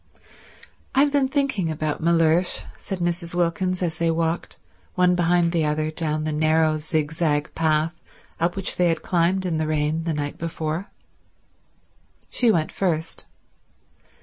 "I've been thinking about Mellersh," said Mrs. Wilkins as they walked, one behind the other, down the narrow zigzag path up which they had climbed in the rain the night before. She went first.